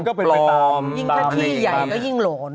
ยิ่งทะทิใหญ่ก็ยิ่งโหลน